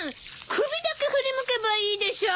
首だけ振り向けばいいでしょう！